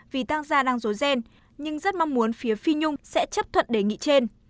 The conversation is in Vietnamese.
vì tăng gia đang dối ghen nhưng rất mong muốn phía phi nhung sẽ chấp thuận đề nghị trên